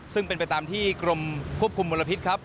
ซึ่งเป็นไปตามที่กรมควบคุมมลพิษครับ